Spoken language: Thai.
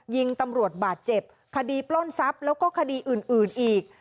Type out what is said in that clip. ยิงตำรวจบาดเจ็บคดีปล้นทรัพย์แล้วก็คดีอื่นอีก